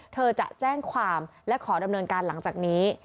เธอจะแจ้งความและขอดำเนินการหลังจากนี้